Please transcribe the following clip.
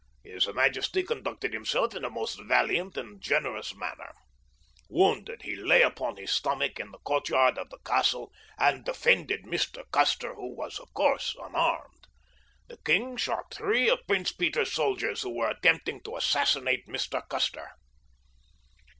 His majesty conducted himself in a most valiant and generous manner. Wounded, he lay upon his stomach in the courtyard of the castle and defended Mr. Custer, who was, of course, unarmed. The king shot three of Prince Peter's soldiers who were attempting to assassinate Mr. Custer."